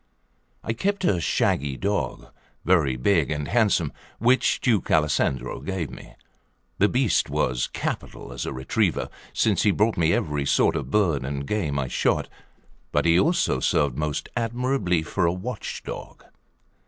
I kept a shaggy dog, very big and handsome, which Duke Alessandro gave me; the beast was capital as a retriever, since he brought me every sort of birds and game I shot, but he also served most admirably for a watchdog.